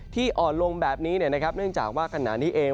ที่อ่อนลงแบบนี้เนื่องจากว่ากันนานที่เอง